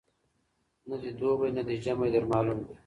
نه دي دوبی نه دي ژمی در معلوم دی